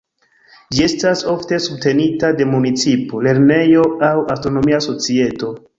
Ĝi estas ofte subtenita de municipo, lernejo aŭ astronomia societo.